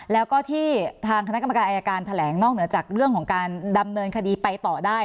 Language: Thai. แล้วก็ที่ทางคณะกรรมการอายการแถลงนอกเหนือจากเรื่องของการดำเนินคดีไปต่อได้